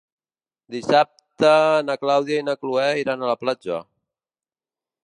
Dissabte na Clàudia i na Cloè iran a la platja.